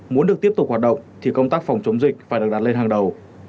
muốn được tiếp tục hoạt động thì công tác phòng chống dịch phải được đặt lên hàng đầu